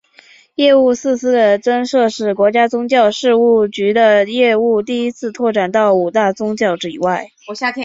业务四司的增设使国家宗教事务局的业务第一次拓展到五大宗教以外。